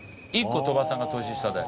１個鳥羽さんが年下で。